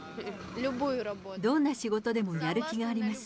どんな仕事でもやる気があります。